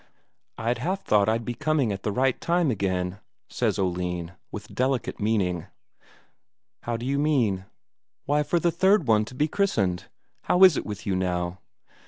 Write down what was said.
"I'd half a thought I'd be coming just at the right time again," says Oline, with delicate meaning. "How d'you mean?" "Why, for the third one to be christened. How is it with you now?"